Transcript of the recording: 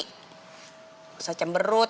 nggak usah cemberut